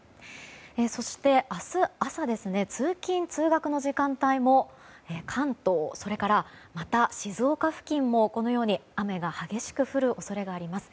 そして、明日朝通勤・通学の時間帯も関東、それからまた静岡付近も雨が激しく降る恐れがあります。